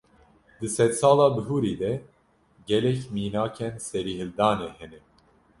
Di sedsala bihurî de, gelek mînakên serîhildanê hene